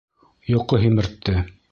Йоҡо һимертте.